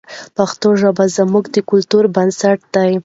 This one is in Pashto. پښتو ژبه زموږ د کلتور بنسټ دی.